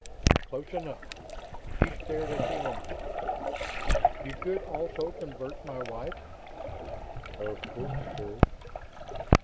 "Close enough." He stared at the Oman. "You could also convert my wife?" "Of course, sir."